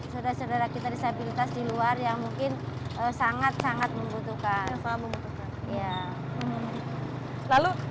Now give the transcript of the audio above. sudah saudara kita disabilitas di luar yang mungkin sangat sangat membutuhkan ya lalu